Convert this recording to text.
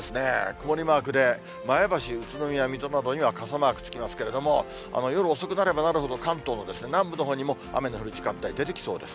曇りマークで、前橋、宇都宮、水戸などには傘マークつきますけれども、夜遅くなればなるほど、関東の南部のほうにも雨の降る時間帯出てきそうです。